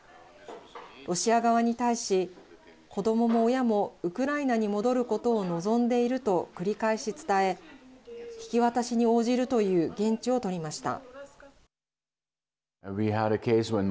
ロシア側に対し、子どもも親もウクライナに戻ることを望んでいると繰り返し伝え引き渡しに応じるという言質を取りました。